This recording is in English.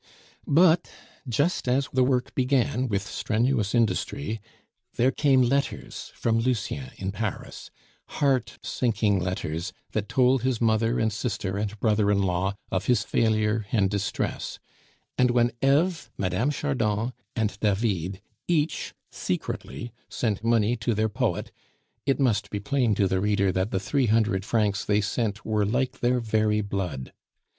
But just as the work began with strenuous industry, there came letters from Lucien in Paris, heart sinking letters that told his mother and sister and brother in law of his failure and distress; and when Eve, Mme. Chardon, and David each secretly sent money to their poet, it must be plain to the reader that the three hundred francs they sent were like their very blood.